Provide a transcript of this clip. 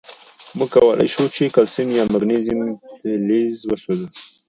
مونږ کولای شو چې کلسیم یا مګنیزیم فلز وسوځوو.